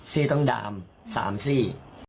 ต้องดาม๓ซี่